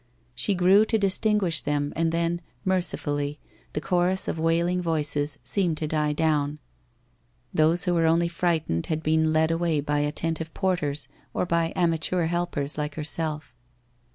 She grew to distinguish them, and then, mercifully, the chorus of wailing voices seemed to die down. Those who were only frightened had WHITE ROSE OF WEARY LEAF 237 been led away by attentive porters or by amateur helpers like herself.